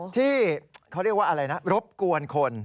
ที่เขาเรียกว่าอะไรนะรบกวนคน